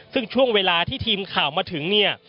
ซึ่งช่วงเวลาที่ทีมข่าวมาถึงเนี่ย